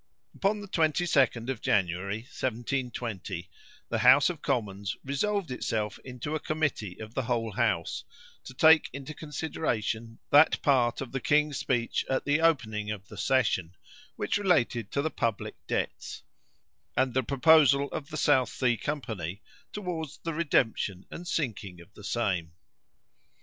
Upon the 22d of January, 1720, the House of Commons resolved itself into a committee of the whole house, to take into consideration that part of the king's speech at the opening of the session which related to the public debts, and the proposal of the South Sea Company towards the redemption and sinking of the same.